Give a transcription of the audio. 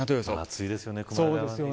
暑いですよね熊谷。